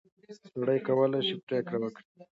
سړی کولای شي پرېکړه وکړي.